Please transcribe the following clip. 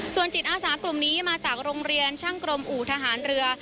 ส่วนจิตอาสากลุ่มนี้มาจากโรงเรียนช่างกรมอู่ทหารเรือ